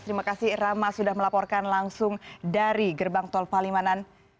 terima kasih rama sudah melaporkan langsung dari gerbang tol palimanan